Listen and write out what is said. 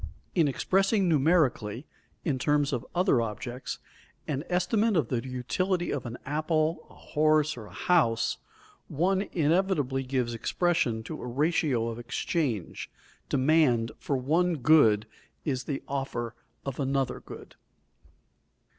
In expressing numerically, in terms of other objects, an estimate of the utility of an apple, a horse or a house, one inevitably gives expression to a ratio of exchange; demand for one good is the offer of another good.